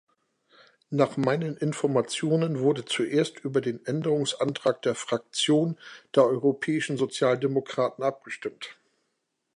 Nach meinen Informationen wurde zuerst über den Änderungsantrag der Fraktion der Europäischen Sozialdemokraten abgestimmt.